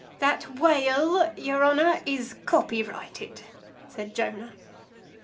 That whale, your honor, is copyrighted," said Jonah.